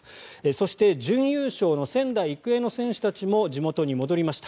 そして準優勝の仙台育英の選手たちも地元に戻りました。